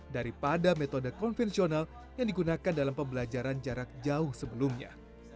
daripada metode konvensional yang digunakan dalam pembelajaran jarak jauh sebelumnya